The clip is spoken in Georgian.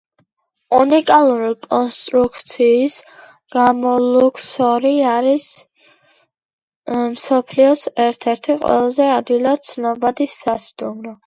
უნიკალური კონსტრუქციის გამო ლუქსორი არის მსოფლიოს ერთ-ერთი ყველაზე ადვილად ცნობადი სასტუმრო.